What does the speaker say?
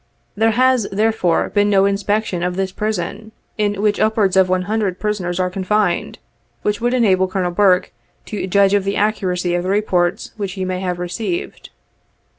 There has therefore, been no inspection of this prison, in which upwards of one hundred prisoners are confined, which would enable Colonel Burke to judge of the accuracy of the reports which he may have received.